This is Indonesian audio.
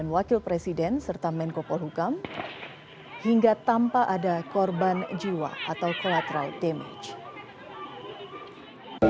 wakil presiden serta menko polhukam hingga tanpa ada korban jiwa atau collateral damage